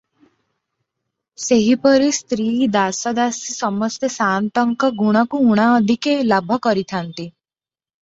ସେହିପରି ସ୍ତ୍ରୀ, ଦାସ ଦାସୀ ସମସ୍ତେ ସାଆନ୍ତଙ୍କ ଗୁଣକୁ ଉଣା ଅଧିକରେ ଲାଭ କରିଥାନ୍ତି ।